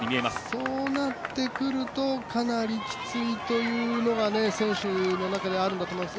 そうなってくるとかなりきついというのが選手の中ではあると思います。